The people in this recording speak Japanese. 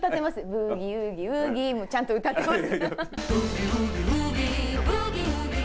ブギウギウギもちゃんと歌ってます。